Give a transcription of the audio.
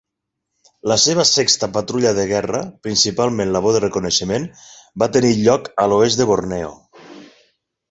La seva sexta patrulla de guerra, principalment labor de reconeixement, va tenir lloc a l'oest de Borneo.